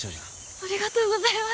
ありがとうございます。